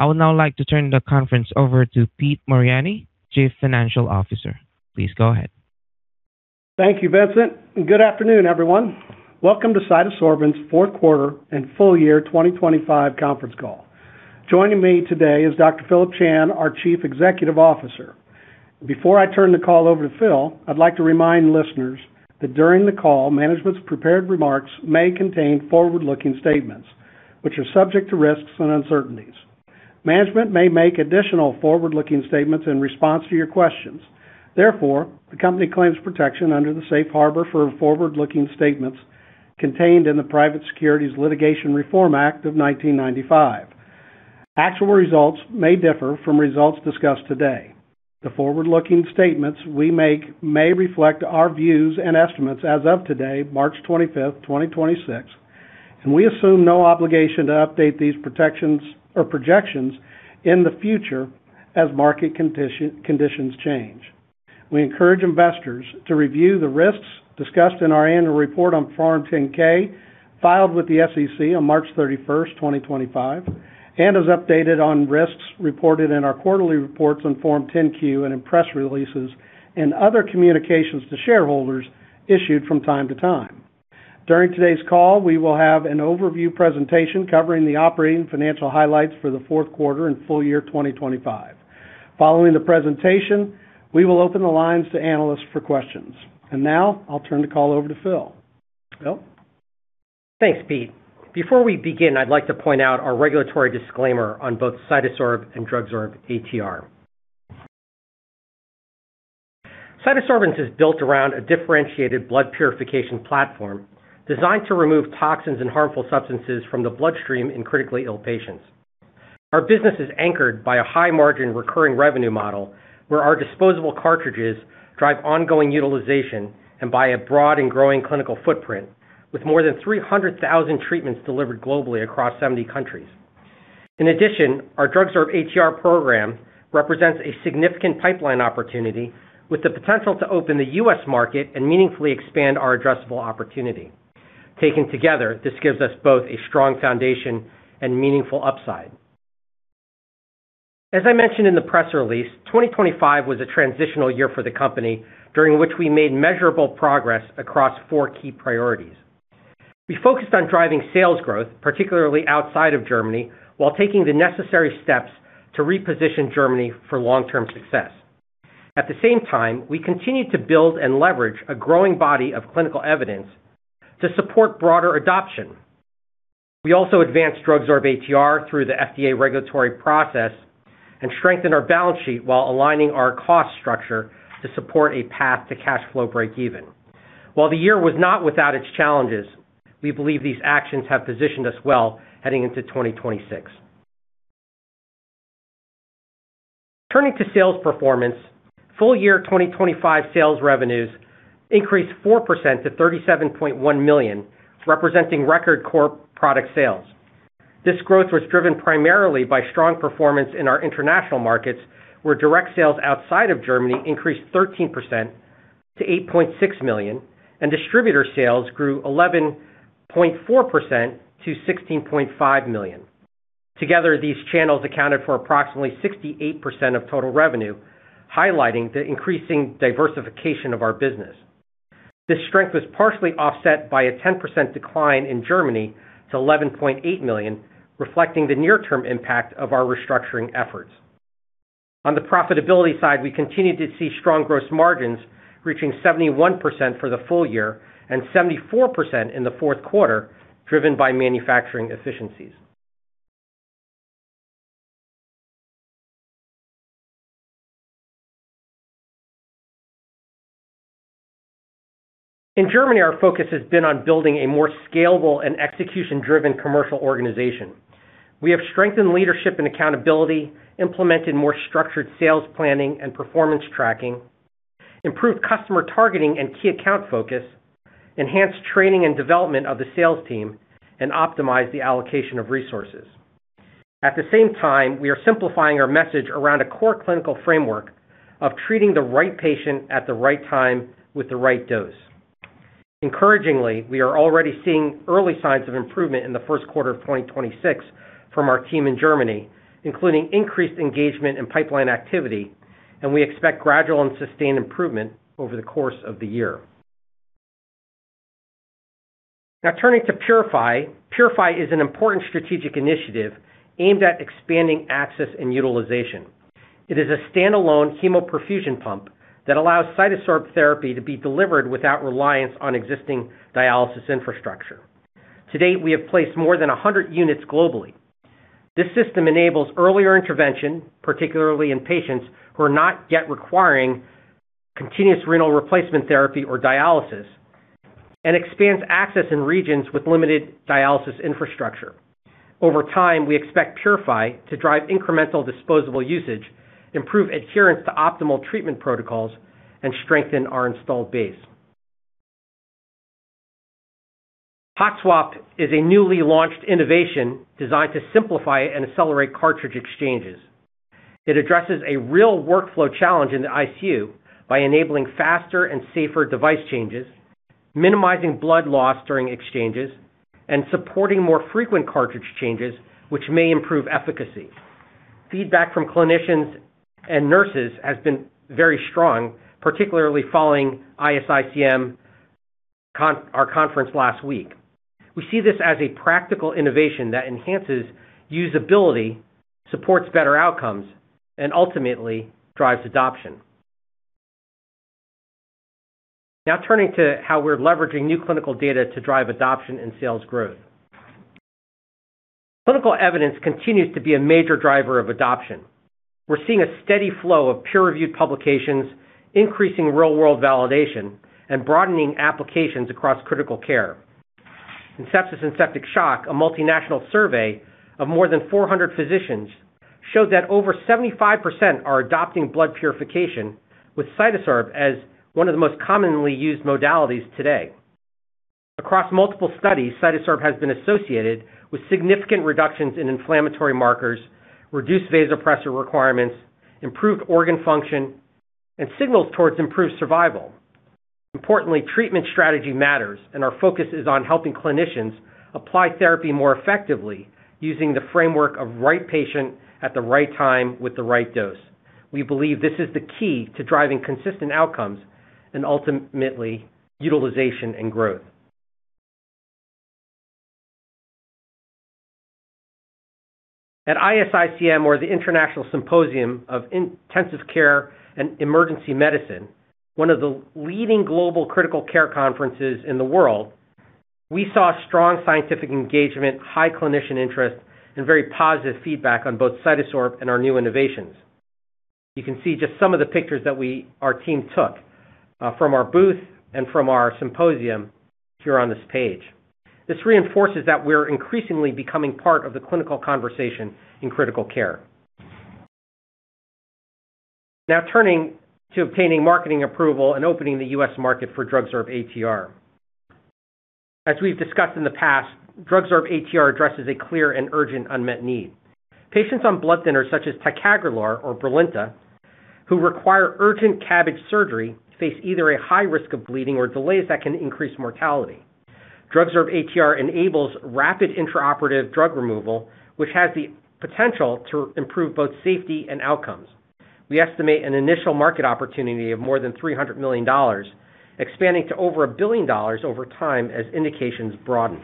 I would now like to turn the conference over to Pete Mariani, Chief Financial Officer. Please go ahead. Thank you, Vincent, and good afternoon, everyone. Welcome to CytoSorbents' fourth quarter and full year 2025 conference call. Joining me today is Dr. Phillip Chan, our Chief Executive Officer. Before I turn the call over to Phil, I'd like to remind listeners that during the call, management's prepared remarks may contain forward-looking statements, which are subject to risks and uncertainties. Management may make additional forward-looking statements in response to your questions. Therefore, the company claims protection under the safe harbor for forward-looking statements contained in the Private Securities Litigation Reform Act of 1995. Actual results may differ from results discussed today. The forward-looking statements we make may reflect our views and estimates as of today, March 25th, 2026, and we assume no obligation to update these projections in the future as market conditions change. We encourage investors to review the risks discussed in our annual report on Form 10-K, filed with the SEC on March 31st, 2025, and as updated on risks reported in our quarterly reports on Form 10-Q and in press releases and other communications to shareholders issued from time to time. During today's call, we will have an overview presentation covering the operating financial highlights for the fourth quarter and full year 2025. Following the presentation, we will open the lines to analysts for questions. Now I'll turn the call over to Phil. Phil? Thanks, Pete. Before we begin, I'd like to point out our regulatory disclaimer on both CytoSorb and DrugSorb-ATR. CytoSorbents is built around a differentiated blood purification platform designed to remove toxins and harmful substances from the bloodstream in critically ill patients. Our business is anchored by a high-margin recurring revenue model where our disposable cartridges drive ongoing utilization and by a broad and growing clinical footprint with more than 300,000 treatments delivered globally across 70 countries. In addition, our DrugSorb-ATR program represents a significant pipeline opportunity with the potential to open the U.S. market and meaningfully expand our addressable opportunity. Taken together, this gives us both a strong foundation and meaningful upside. As I mentioned in the press release, 2025 was a transitional year for the company during which we made measurable progress across four key priorities. We focused on driving sales growth, particularly outside of Germany, while taking the necessary steps to reposition Germany for long-term success. At the same time, we continued to build and leverage a growing body of clinical evidence to support broader adoption. We also advanced DrugSorb-ATR through the FDA regulatory process and strengthened our balance sheet while aligning our cost structure to support a path to cash flow break even. While the year was not without its challenges, we believe these actions have positioned us well heading into 2026. Turning to sales performance, full year 2025 sales revenues increased 4% to $37.1 million, representing record core product sales. This growth was driven primarily by strong performance in our international markets, where direct sales outside of Germany increased 13% to $8.6 million, and distributor sales grew 11.4% to $16.5 million. Together, these channels accounted for approximately 68% of total revenue, highlighting the increasing diversification of our business. This strength was partially offset by a 10% decline in Germany to $11.8 million, reflecting the near-term impact of our restructuring efforts. On the profitability side, we continued to see strong gross margins reaching 71% for the full year and 74% in the fourth quarter, driven by manufacturing efficiencies. In Germany, our focus has been on building a more scalable and execution-driven commercial organization. We have strengthened leadership and accountability, implemented more structured sales planning and performance tracking, improved customer targeting and key account focus, enhanced training and development of the sales team, and optimized the allocation of resources. At the same time, we are simplifying our message around a core clinical framework of treating the right patient at the right time with the right dose. Encouragingly, we are already seeing early signs of improvement in the first quarter of 2026 from our team in Germany, including increased engagement and pipeline activity, and we expect gradual and sustained improvement over the course of the year. Now turning to PuriFi. PuriFi is an important strategic initiative aimed at expanding access and utilization. It is a standalone hemoperfusion pump that allows CytoSorb therapy to be delivered without reliance on existing dialysis infrastructure. To date, we have placed more than 100 units globally. This system enables earlier intervention, particularly in patients who are not yet requiring continuous renal replacement therapy or dialysis, and expands access in regions with limited dialysis infrastructure. Over time, we expect PuriFi to drive incremental disposable usage, improve adherence to optimal treatment protocols, and strengthen our installed base. HotSwap is a newly launched innovation designed to simplify and accelerate cartridge exchanges. It addresses a real workflow challenge in the ICU by enabling faster and safer device changes, minimizing blood loss during exchanges, and supporting more frequent cartridge changes, which may improve efficacy. Feedback from clinicians and nurses has been very strong, particularly following ISICEM, our conference last week. We see this as a practical innovation that enhances usability, supports better outcomes, and ultimately drives adoption. Now turning to how we're leveraging new clinical data to drive adoption and sales growth. Clinical evidence continues to be a major driver of adoption. We're seeing a steady flow of peer-reviewed publications, increasing real-world validation, and broadening applications across critical care. In sepsis and septic shock, a multinational survey of more than 400 physicians showed that over 75% are adopting blood purification, with CytoSorb as one of the most commonly used modalities today. Across multiple studies, CytoSorb has been associated with significant reductions in inflammatory markers, reduced vasopressor requirements, improved organ function, and signals towards improved survival. Importantly, treatment strategy matters, and our focus is on helping clinicians apply therapy more effectively using the framework of right patient at the right time with the right dose. We believe this is the key to driving consistent outcomes and ultimately, utilization and growth. At ISICEM, or the International Symposium on Intensive Care and Emergency Medicine, one of the leading global critical care conferences in the world, we saw strong scientific engagement, high clinician interest, and very positive feedback on both CytoSorb and our new innovations. You can see just some of the pictures that our team took from our booth and from our symposium here on this page. This reinforces that we're increasingly becoming part of the clinical conversation in critical care. Now turning to obtaining marketing approval and opening the U.S. market for DrugSorb-ATR. As we've discussed in the past, DrugSorb-ATR addresses a clear and urgent unmet need. Patients on blood thinners such as ticagrelor or Brilinta, who require urgent CABG surgery, face either a high risk of bleeding or delays that can increase mortality. DrugSorb-ATR enables rapid intraoperative drug removal, which has the potential to improve both safety and outcomes. We estimate an initial market opportunity of more than $300 million, expanding to over $1 billion over time as indications broaden.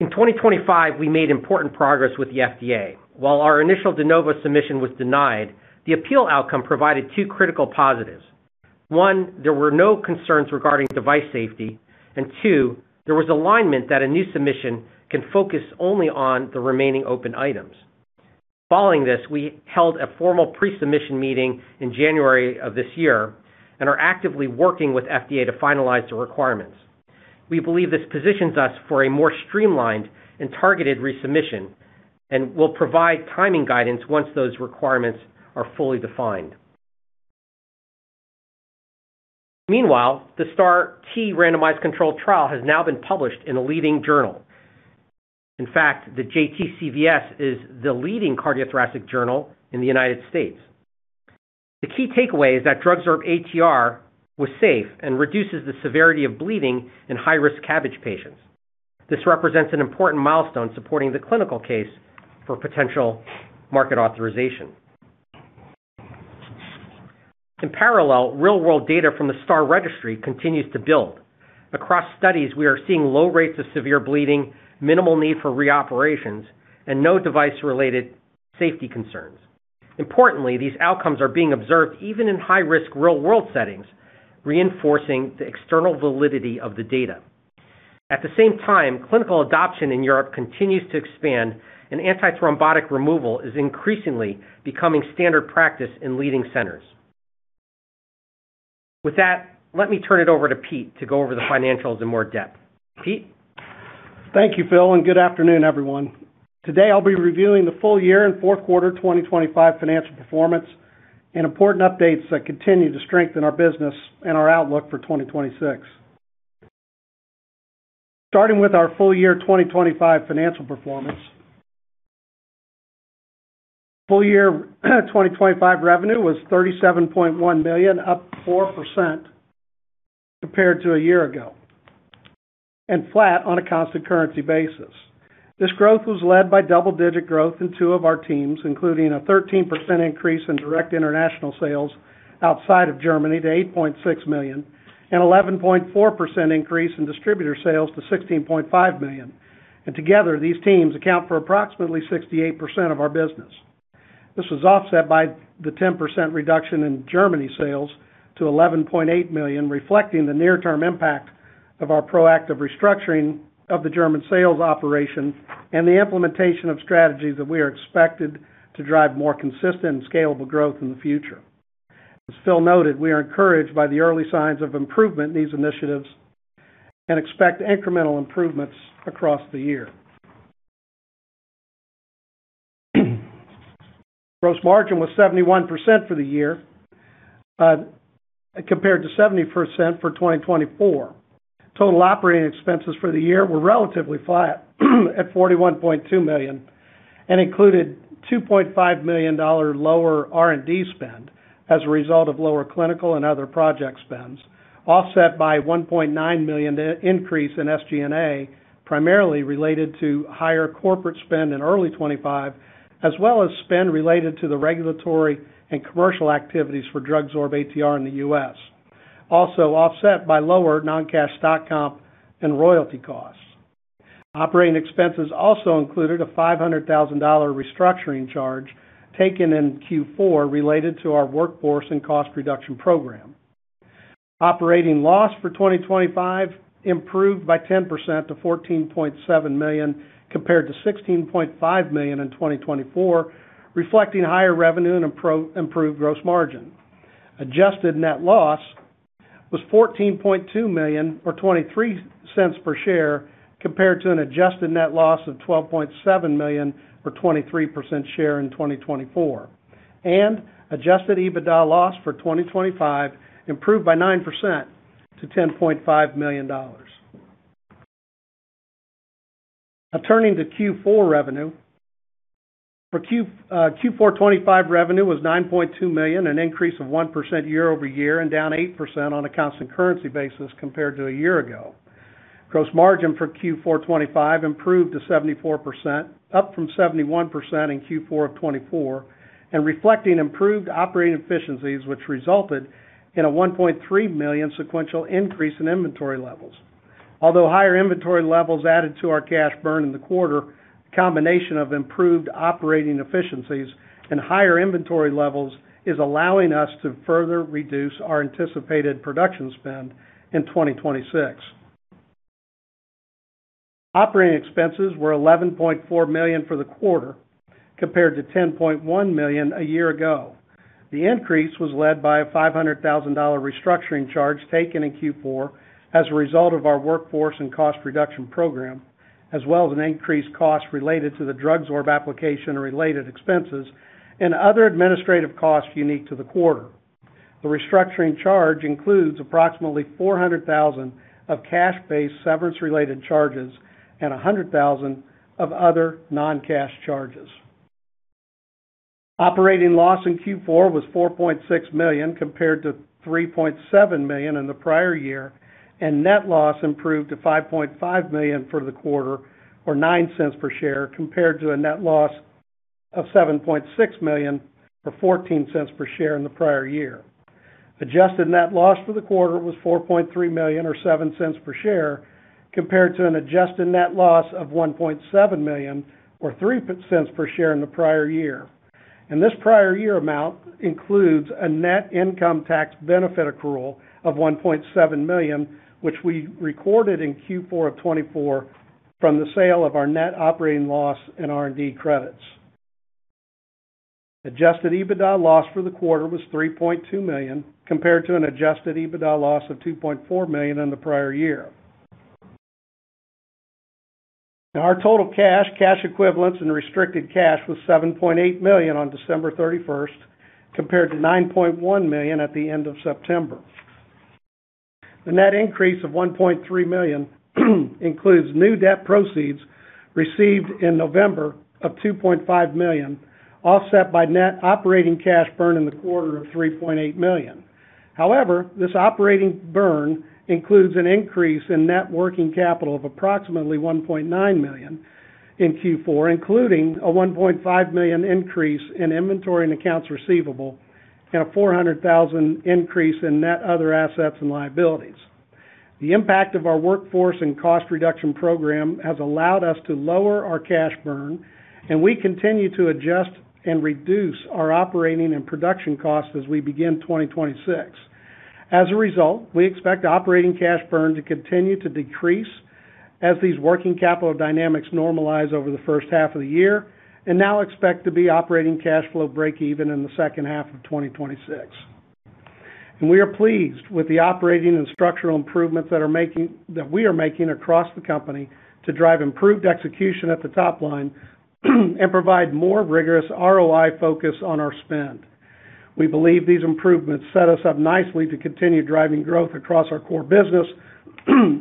In 2025, we made important progress with the FDA. While our initial de novo submission was denied, the appeal outcome provided two critical positives. One, there were no concerns regarding device safety. Two, there was alignment that a new submission can focus only on the remaining open items. Following this, we held a formal pre-submission meeting in January of this year and are actively working with FDA to finalize the requirements. We believe this positions us for a more streamlined and targeted resubmission and will provide timing guidance once those requirements are fully defined. Meanwhile, the STAR-T randomized controlled trial has now been published in a leading journal. In fact, the JTCVS is the leading cardiothoracic journal in the United States. The key takeaway is that DrugSorb-ATR was safe and reduces the severity of bleeding in high-risk CABG patients. This represents an important milestone supporting the clinical case for potential market authorization. In parallel, real-world data from the STAR registry continues to build. Across studies, we are seeing low rates of severe bleeding, minimal need for reoperations, and no device-related safety concerns. Importantly, these outcomes are being observed even in high-risk real-world settings, reinforcing the external validity of the data. At the same time, clinical adoption in Europe continues to expand, and antithrombotic removal is increasingly becoming standard practice in leading centers. With that, let me turn it over to Pete to go over the financials in more depth. Pete? Thank you, Phil, and good afternoon, everyone. Today, I'll be reviewing the full year and fourth quarter 2025 financial performance and important updates that continue to strengthen our business and our outlook for 2026. Starting with our full year 2025 financial performance. Full year 2025 revenue was $37.1 million, up 4% compared to a year ago, and flat on a constant currency basis. This growth was led by double-digit growth in two of our teams, including a 13% increase in direct international sales outside of Germany to $8.6 million, and 11.4% increase in distributor sales to $16.5 million. Together, these teams account for approximately 68% of our business. This was offset by the 10% reduction in Germany sales to $11.8 million, reflecting the near-term impact of our proactive restructuring of the German sales operation and the implementation of strategies that we are expected to drive more consistent and scalable growth in the future. As Phil noted, we are encouraged by the early signs of improvement in these initiatives and expect incremental improvements across the year. Gross margin was 71% for the year, compared to 70% for 2024. Total operating expenses for the year were relatively flat at $41.2 million and included $2.5 million lower R&D spend as a result of lower clinical and other project spends, offset by $1.9 million increase in SG&A, primarily related to higher corporate spend in early 2025, as well as spend related to the regulatory and commercial activities for DrugSorb-ATR in the U.S. Also offset by lower non-cash stock comp and royalty costs. Operating expenses also included a $500,000 restructuring charge taken in Q4 related to our workforce and cost reduction program. Operating loss for 2025 improved by 10% to $14.7 million, compared to $16.5 million in 2024, reflecting higher revenue and improved gross margin. Adjusted net loss was $14.2 million or $0.23 per share, compared to an adjusted net loss of $12.7 million or 23% share in 2024. Adjusted EBITDA loss for 2025 improved by 9% to $10.5 million. Now turning to Q4 revenue. For Q4 2025 revenue was $9.2 million, an increase of 1% year-over-year and down 8% on a constant currency basis compared to a year ago. Gross margin for Q4 2025 improved to 74%, up from 71% in Q4 of 2024, and reflecting improved operating efficiencies, which resulted in a $1.3 million sequential increase in inventory levels. Although higher inventory levels added to our cash burn in the quarter, a combination of improved operating efficiencies and higher inventory levels is allowing us to further reduce our anticipated production spend in 2026. Operating expenses were $11.4 million for the quarter compared to $10.1 million a year ago. The increase was led by a $500,000 restructuring charge taken in Q4 as a result of our workforce and cost reduction program, as well as an increased cost related to the DrugSorb application and related expenses and other administrative costs unique to the quarter. The restructuring charge includes approximately $400,000 of cash-based severance related charges and $100,000 of other non-cash charges. Operating loss in Q4 was $4.6 million compared to $3.7 million in the prior year, and net loss improved to $5.5 million for the quarter or $0.09 per share compared to a net loss of $7.6 million or $0.14 per share in the prior year. Adjusted net loss for the quarter was $4.3 million or $0.07 per share compared to an adjusted net loss of $1.7 million or $0.03 per share in the prior year. This prior year amount includes a net income tax benefit accrual of $1.7 million, which we recorded in Q4 of 2024 from the sale of our net operating loss and R&D credits. Adjusted EBITDA loss for the quarter was $3.2 million compared to an adjusted EBITDA loss of $2.4 million in the prior year. Now, our total cash equivalents, and restricted cash was $7.8 million on December 31st compared to $9.1 million at the end of September. The net increase of $1.3 million includes new debt proceeds received in November of $2.5 million, offset by net operating cash burn in the quarter of $3.8 million. However, this operating burn includes an increase in net working capital of approximately $1.9 million in Q4, including a $1.5 million increase in inventory and accounts receivable and a $400,000 increase in net other assets and liabilities. The impact of our workforce and cost reduction program has allowed us to lower our cash burn, and we continue to adjust and reduce our operating and production costs as we begin 2026. As a result, we expect operating cash burn to continue to decrease as these working capital dynamics normalize over the first half of the year, and now expect to be operating cash flow break even in the second half of 2026. We are pleased with the operating and structural improvements that we are making across the company to drive improved execution at the top line and provide more rigorous ROI focus on our spend. We believe these improvements set us up nicely to continue driving growth across our core business,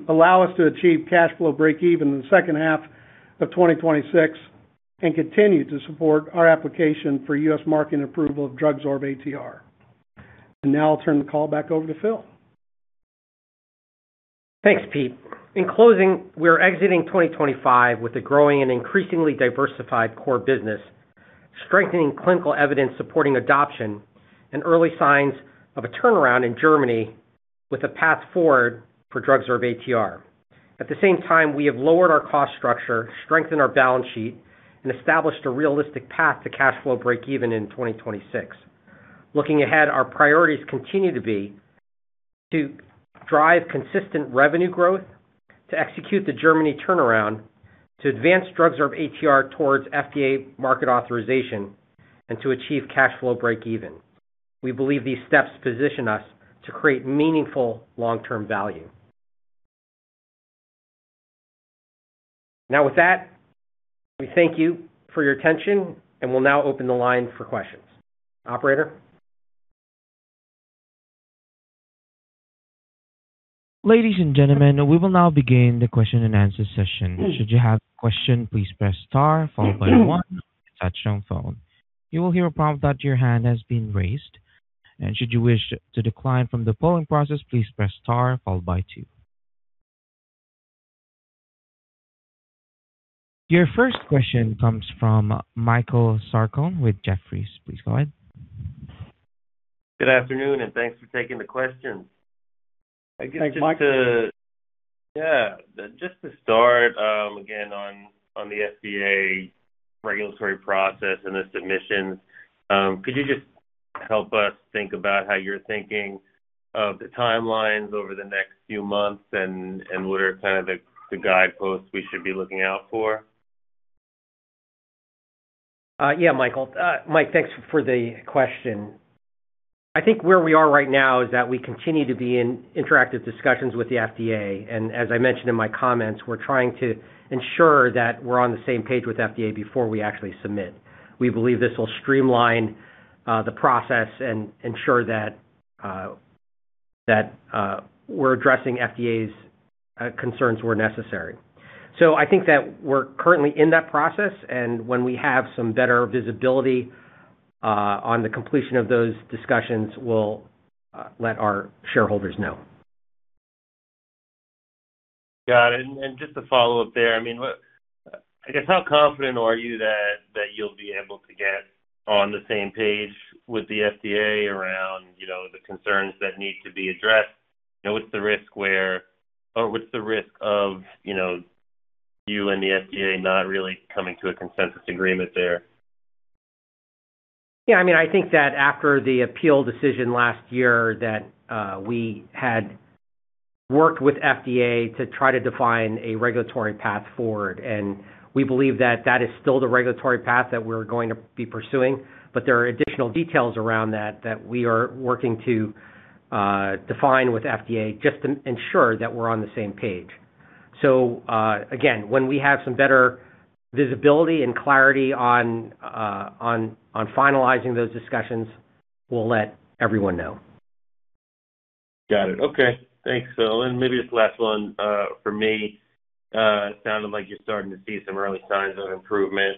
allow us to achieve cash flow break even in the second half of 2026, and continue to support our application for U.S. market approval of DrugSorb-ATR. Now I'll turn the call back over to Phil. Thanks, Pete. In closing, we are exiting 2025 with a growing and increasingly diversified core business, strengthening clinical evidence supporting adoption and early signs of a turnaround in Germany with a path forward for DrugSorb-ATR. At the same time, we have lowered our cost structure, strengthened our balance sheet, and established a realistic path to cash flow break even in 2026. Looking ahead, our priorities continue to be to drive consistent revenue growth, to execute the Germany turnaround, to advance DrugSorb-ATR towards FDA market authorization, and to achieve cash flow break even. We believe these steps position us to create meaningful long-term value. Now with that, we thank you for your attention, and we'll now open the line for questions. Operator? Ladies and gentlemen, we will now begin the question and answer session. Should you have a question, please press star followed by one on your touchtone phone. You will hear a prompt that your hand has been raised. Should you wish to decline from the polling process, please press star followed by two. Your first question comes from Michael Sarcone with Jefferies. Please go ahead. Good afternoon, and thanks for taking the questions. Thanks, Mike. Just to start, again, on the FDA regulatory process and the submissions, could you just help us think about how you're thinking of the timelines over the next few months and what are kind of the guideposts we should be looking out for? Yeah, Michael. Mike, thanks for the question. I think where we are right now is that we continue to be in interactive discussions with the FDA. As I mentioned in my comments, we're trying to ensure that we're on the same page with FDA before we actually submit. We believe this will streamline the process and ensure that we're addressing FDA's concerns where necessary. I think that we're currently in that process, and when we have some better visibility on the completion of those discussions, we'll let our shareholders know. Got it. Just to follow up there, I mean, what, I guess how confident are you that you'll be able to get on the same page with the FDA around, you know, the concerns that need to be addressed? You know, what's the risk of, you know, you and the FDA not really coming to a consensus agreement there? Yeah. I mean, I think that after the appeal decision last year that we had worked with FDA to try to define a regulatory path forward. We believe that is still the regulatory path that we're going to be pursuing, but there are additional details around that we are working to define with FDA just to ensure that we're on the same page. Again, when we have some better visibility and clarity on finalizing those discussions, we'll let everyone know. Got it. Okay. Thanks, Phil. Maybe this last one from me. It sounded like you're starting to see some early signs of improvement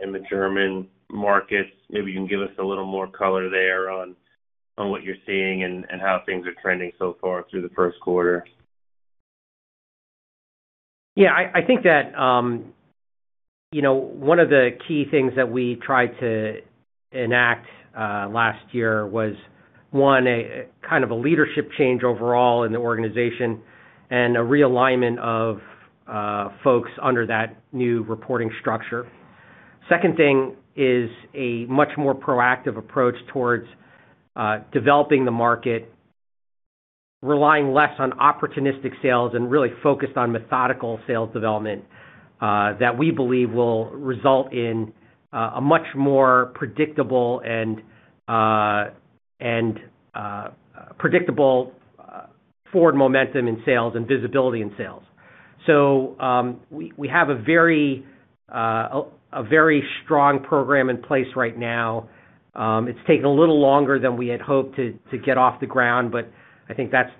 in the German markets. Maybe you can give us a little more color there on what you're seeing and how things are trending so far through the first quarter. Yeah. I think that, you know, one of the key things that we tried to enact last year was a kind of leadership change overall in the organization and a realignment of folks under that new reporting structure. Second thing is a much more proactive approach towards developing the market, relying less on opportunistic sales and really focused on methodical sales development that we believe will result in a much more predictable forward momentum in sales and visibility in sales. We have a very strong program in place right now. It's taken a little longer than we had hoped to get off the ground, but I think that's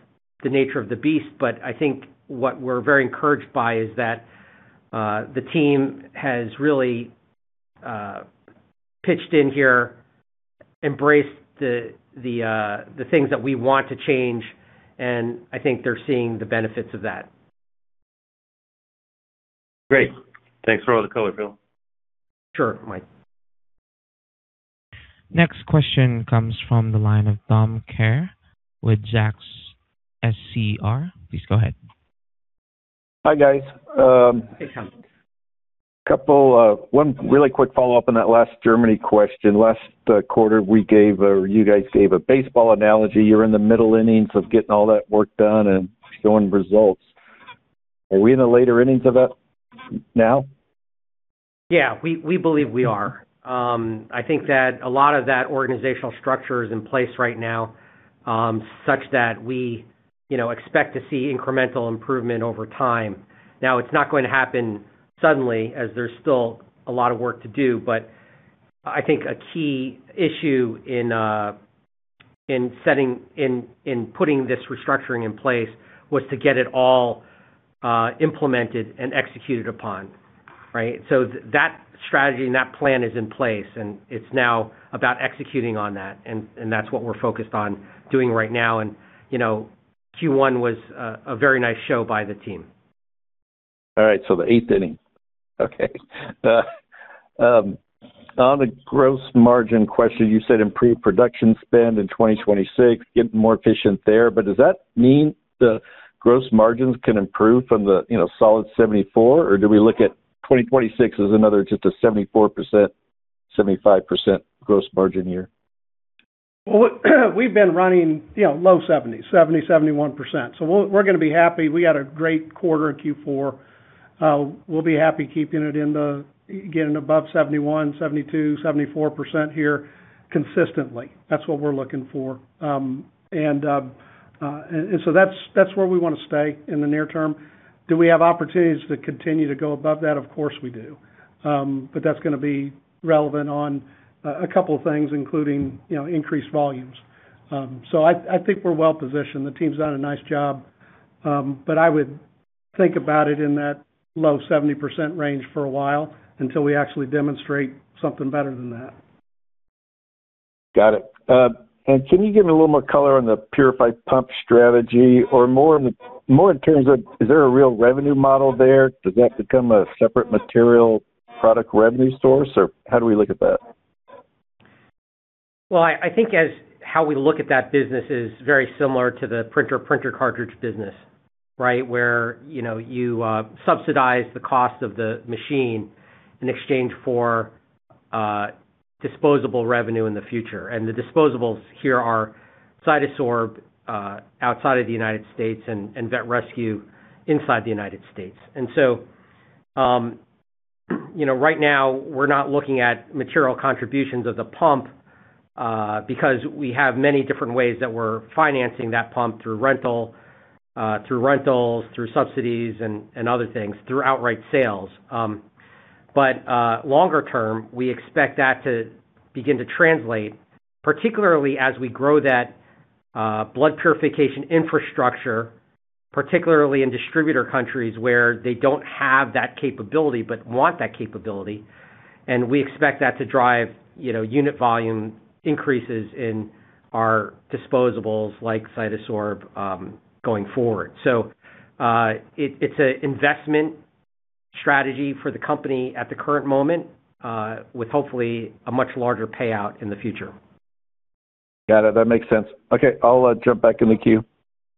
the nature of the beast. I think what we're very encouraged by is that the team has really pitched in here, embraced the things that we want to change, and I think they're seeing the benefits of that. Great. Thanks for all the color, Phil. Sure, Mike. Next question comes from the line of Tom Kerr with Zacks SCR. Please go ahead. Hi, guys. Hey, Tom. Couple, one really quick follow-up on that last Germany question. Last quarter, or you guys gave a baseball analogy. You're in the middle innings of getting all that work done and showing results. Are we in the later innings of that now? Yeah. We believe we are. I think that a lot of that organizational structure is in place right now, such that we, you know, expect to see incremental improvement over time. Now, it's not going to happen suddenly as there's still a lot of work to do. I think a key issue in putting this restructuring in place was to get it all implemented and executed upon, right? That strategy and that plan is in place, and it's now about executing on that, and that's what we're focused on doing right now. You know, Q1 was a very nice show by the team. All right. The eighth inning. Okay. On the gross margin question, you said in pre-production spend in 2026, getting more efficient there. But does that mean the gross margins can improve from the, you know, solid 74%? Or do we look at 2026 as another just a 74%, 75% gross margin year? Well, we've been running, you know, low 70s, 70%, 71%. We're gonna be happy. We had a great quarter in Q4. We'll be happy keeping it in the, again, above 71%, 72%, 74% here. Consistently, that's what we're looking for. That's where we wanna stay in the near term. Do we have opportunities to continue to go above that? Of course, we do. That's gonna be relevant on a couple of things, including, you know, increased volumes. I think we're well-positioned. The team's done a nice job, but I would think about it in that low 70% range for a while until we actually demonstrate something better than that. Got it. Can you give me a little more color on the PuriFi pump strategy or more in terms of is there a real revenue model there? Does that become a separate material product revenue source, or how do we look at that? Well, I think as how we look at that business is very similar to the printer cartridge business, right? Where, you know, you subsidize the cost of the machine in exchange for disposable revenue in the future. The disposables here are CytoSorb outside of the United States and VetResQ inside the United States. You know, right now we're not looking at material contributions of the pump because we have many different ways that we're financing that pump through rentals, through subsidies and other things, through outright sales. Longer term, we expect that to begin to translate, particularly as we grow that blood purification infrastructure, particularly in distributor countries where they don't have that capability but want that capability. We expect that to drive, you know, unit volume increases in our disposables like CytoSorb going forward. It's an investment strategy for the company at the current moment with hopefully a much larger payout in the future. Got it. That makes sense. Okay, I'll jump back in the queue.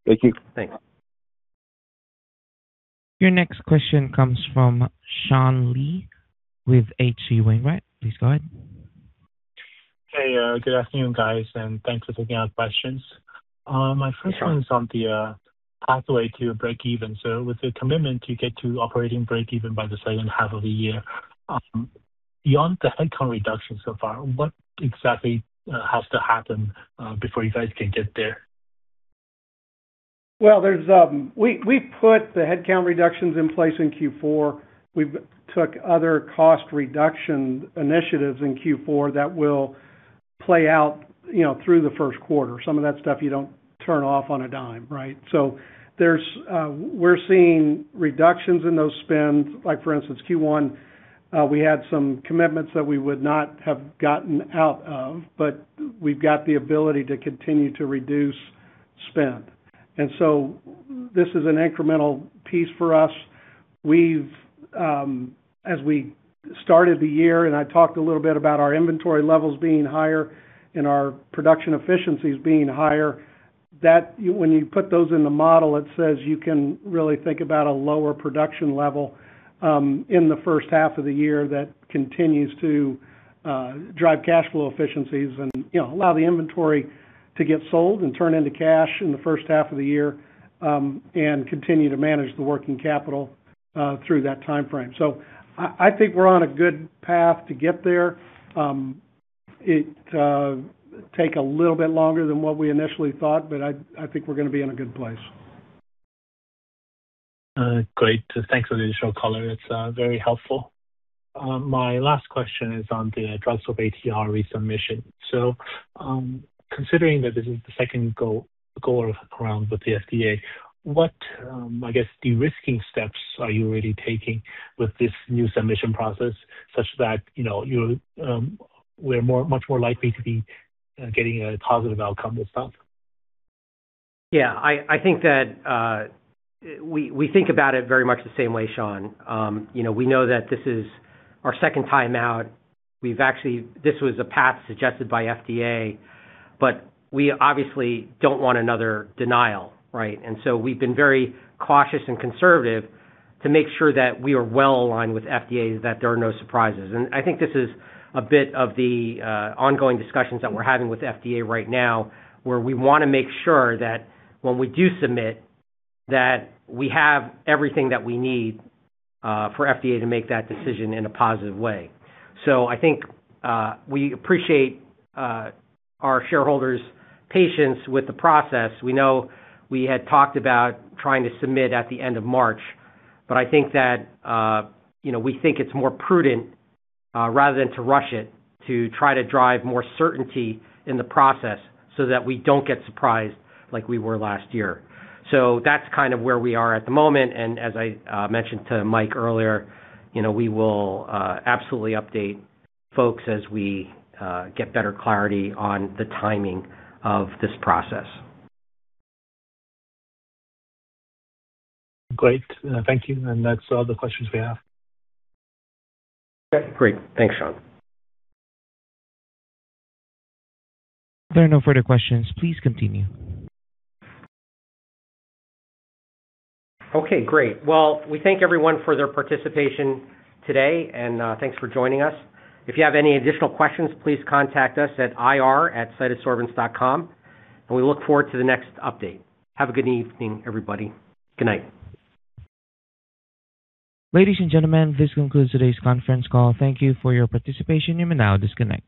Thank you. Thanks. Your next question comes from Sean Lee with H.C. Wainwright. Please go ahead. Hey, good afternoon, guys, and thanks for taking our questions. My first one is on the pathway to break even. With the commitment to get to operating break even by the second half of the year, beyond the headcount reduction so far, what exactly has to happen before you guys can get there? Well, we put the headcount reductions in place in Q4. We've took other cost reduction initiatives in Q4 that will play out, you know, through the first quarter. Some of that stuff you don't turn off on a dime, right? We're seeing reductions in those spends. Like for instance, Q1, we had some commitments that we would not have gotten out of, but we've got the ability to continue to reduce spend. This is an incremental piece for us. We have as we started the year and I talked a little bit about our inventory levels being higher and our production efficiencies being higher. When you put those in the model, it says you can really think about a lower production level in the first half of the year that continues to drive cash flow efficiencies and, you know, allow the inventory to get sold and turn into cash in the first half of the year and continue to manage the working capital through that timeframe. I think we're on a good path to get there. It takes a little bit longer than what we initially thought, but I think we're gonna be in a good place. Great. Thanks for the additional color. It's very helpful. My last question is on the DrugSorb-ATR resubmission. Considering that this is the second go around with the FDA, what, I guess, de-risking steps are you really taking with this new submission process such that, you know, we're much more likely to be getting a positive outcome this time? Yeah, I think that we think about it very much the same way, Sean. You know, we know that this is our second time out. This was a path suggested by FDA, but we obviously don't want another denial, right? We've been very cautious and conservative to make sure that we are well aligned with FDA, that there are no surprises. I think this is a bit of the ongoing discussions that we're having with FDA right now, where we wanna make sure that when we do submit, that we have everything that we need for FDA to make that decision in a positive way. I think we appreciate our shareholders' patience with the process. We know we had talked about trying to submit at the end of March, but I think that, you know, we think it's more prudent, rather than to rush it, to try to drive more certainty in the process so that we don't get surprised like we were last year. That's kind of where we are at the moment, and as I mentioned to Mike earlier, you know, we will absolutely update folks as we get better clarity on the timing of this process. Great. Thank you. That's all the questions we have. Okay, great. Thanks, Sean. If there are no further questions, please continue. Okay, great. Well, we thank everyone for their participation today, and, thanks for joining us. If you have any additional questions, please contact us at ir@cytosorbents.com. We look forward to the next update. Have a good evening, everybody. Good night. Ladies and gentlemen, this concludes today's conference call. Thank you for your participation. You may now disconnect.